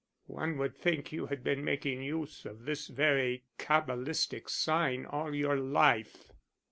"One would think you had been making use of this very cabalistic sign all your life."